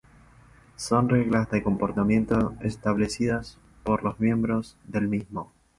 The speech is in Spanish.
Son reglas de comportamiento establecidas por los miembros del mismo.